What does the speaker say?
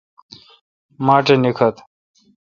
ماٹھ نیکتھ۔